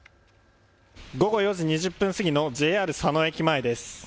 午後４時２０分過ぎのＪＲ佐野駅前です。